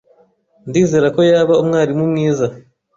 Ndizera ko yaba umwarimu mwiza.